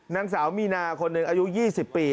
นางสาวมีนาคนหนึ่งอายุ๒๐ปี